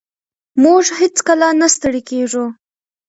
موږ هېڅکله نه ستړي کېږو.